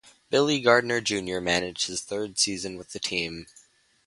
Billy Garnder Junior managed his third season with the team.